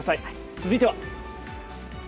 続いては。